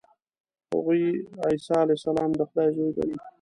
هغوی عیسی علیه السلام د خدای زوی ګڼي.